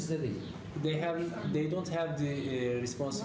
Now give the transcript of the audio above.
mereka tidak berpengaruh menerima aliran pengungsi